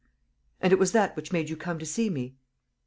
"And it was that which made you come to see me?"